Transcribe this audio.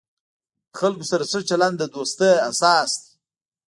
د خلکو سره ښه چلند، د دوستۍ اساس دی.